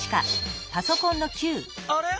あれ？